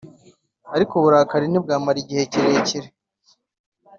ariko uburakari ntibwamara igihe kirekire.